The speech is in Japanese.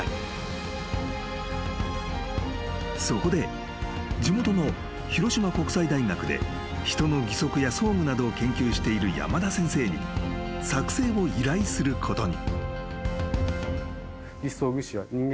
［そこで地元の広島国際大学で人の義足や装具などを研究している山田先生に作製を依頼することに］